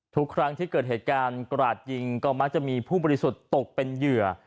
ทุกครั้งที่เกิดเหตุการณ์กราดยิงก็มักจะมีผู้บริสุทธิ์ตกเป็นเหยื่อ